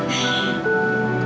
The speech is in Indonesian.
aku ingin mencobanya